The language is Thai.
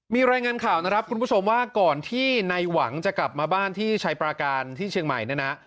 มีรายงานข่าวนะครับคุณผู้ชมว่าก่อนที่ในหวังจะกลับมาบ้านที่ชัยปราการที่เชียงใหม่เนี่ยนะ